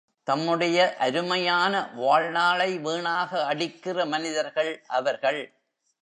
தம்முடைய அருமையான வாழ்நாளை வீணாக அடிக்கிற மனிதர்கள் அவர்கள்.